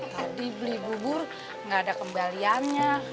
jadi beli bubur nggak ada kembaliannya